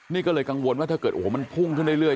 นี่ก็เลยกังวลว่าถ้าเกิดโอ้โหมันพุ่งขึ้นเรื่อย